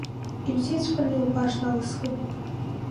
Ибзиаҵәҟьаны иубашт алысхи…